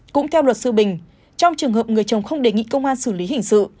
cũng theo luật sư bình trong trường hợp người chồng không đề nghị công an xử lý hình sự